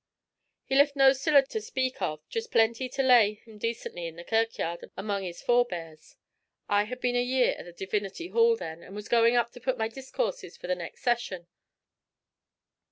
'He left no siller to speak of, just plenty to lay him decently in the kirkyard among his forebears. I had been a year at the Divinity Hall then, and was going up to put in my discourses for the next session.